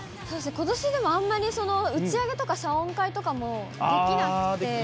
そうですね、ことし、でも、あんまり打ち上げとか謝恩会とかもできなくて。